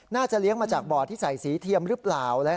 เลี้ยงมาจากบ่อที่ใส่สีเทียมหรือเปล่า